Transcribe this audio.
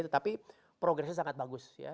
tetapi progresnya sangat bagus ya